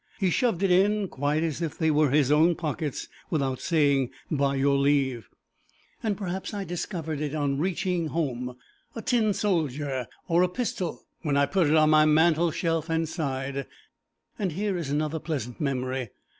He shoved it in, quite as if they were his own pockets, without saying, By your leave, and perhaps I discovered it on reaching home a tin soldier, or a pistol when I put it on my mantle shelf and sighed. And here is another pleasant memory.